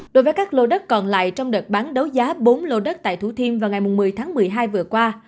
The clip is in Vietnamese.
đối với các lô đất còn lại trong đợt bán đấu giá bốn lô đất tại thủ thiêm vào ngày một mươi tháng một mươi hai vừa qua